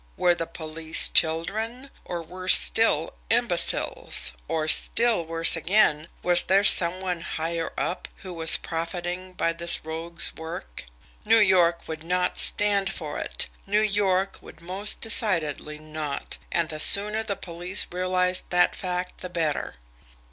Were the police children; or, worse still, imbeciles or, still worse again, was there some one "higher up" who was profiting by this rogue's work? New York would not stand for it New York would most decidedly not and the sooner the police realised that fact the better!